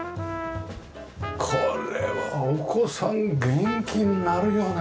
これはお子さん元気になるよね。